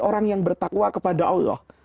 orang yang bertakwa kepada allah